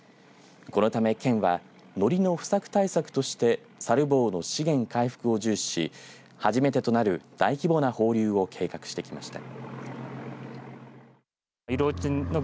このため県はのりの不作対策としてサルボウの資源回復を重視し初めてとなる大規模な放流を計画してきました。